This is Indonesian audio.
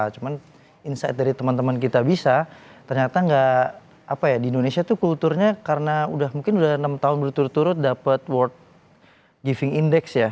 cuman insight dari teman teman kita bisa ternyata nggak apa ya di indonesia tuh kulturnya karena mungkin udah enam tahun berturut turut dapat world giving index ya